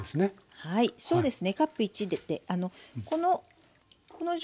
はいそうですね。